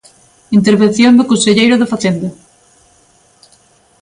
Intervención do conselleiro de Facenda.